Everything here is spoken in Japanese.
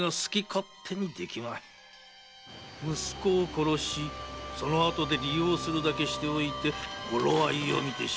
息子を殺しそのあとで利用するだけしておいてころ合いを見て主人を殺す。